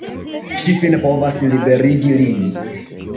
Ŝi fine povas liberigi lin.